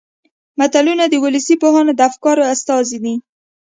متلونه د ولسي پوهانو د افکارو استازي دي